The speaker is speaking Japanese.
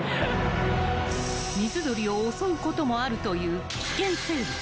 ［水鳥を襲うこともあるという危険生物］